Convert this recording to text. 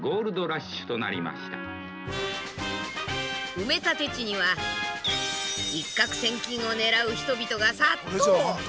埋め立て地には一獲千金を狙う人々が殺到。